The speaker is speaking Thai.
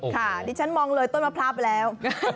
ดิฉันมองเลยต้นมะพร้าวไปแล้ว